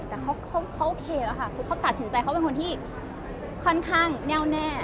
แต่เขาโอเคแล้วค่ะคือเขาตัดสินใจเขาเป็นคนที่ค่อนข้างแน่วแน่